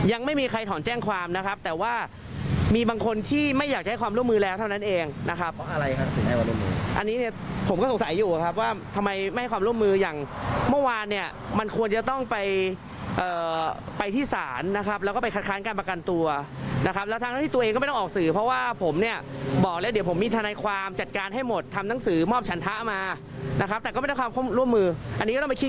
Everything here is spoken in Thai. อันนี้เนี่ยผมก็สงสัยอยู่นะครับว่าทำไมไม่ให้ความร่วมมืออย่างเมื่อวานเนี่ยมันควรจะต้องไปไปที่ศาลนะครับแล้วก็ไปขัดค้านการประกันตัวนะครับแล้วทั้งที่ตัวเองก็ไม่ต้องออกสื่อเพราะว่าผมเนี่ยบอกแล้วเดี๋ยวผมมีทันัยความจัดการให้หมดทำหนังสือมอบฉันทะมานะครับแต่ก็ไม่ได้ความร่วมมืออันนี้ก็ต้องไปคิดก